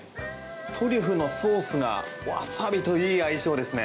トリュフのソースがワサビといい相性ですね。